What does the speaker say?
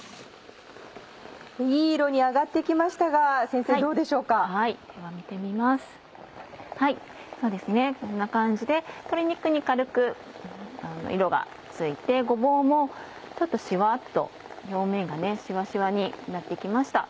そうですねこんな感じで鶏肉に軽く色がついてごぼうもちょっとしわぁっと表面がしわしわになって来ました。